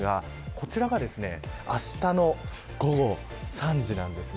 こちらが、あしたの午後３時です。